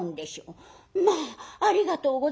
「まあありがとうございます。